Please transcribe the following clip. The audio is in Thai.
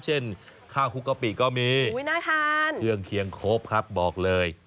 เช่นข้าวคุกกะปิก็มีน่าทานเครื่องเคียงครบครับบอกเลย